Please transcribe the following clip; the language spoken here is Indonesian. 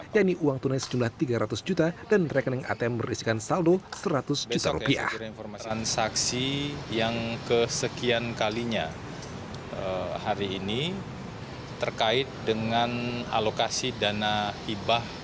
yaitu uang tunai sejumlah tiga ratus juta dan rekening atm berisikan saldo seratus juta rupiah